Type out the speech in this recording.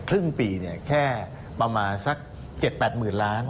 ครึ่งปีแค่ประมาณสัก๗๘หมื่นล้าน